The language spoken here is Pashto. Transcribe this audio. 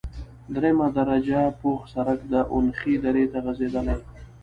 دریمه درجه پوخ سرک د اونخې درې ته غزیدلی،